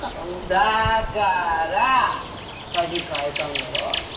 だからぁ鍵替えたんだろ？